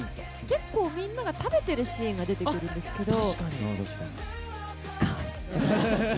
結構みんな、食べてるシーンがあるんですけど。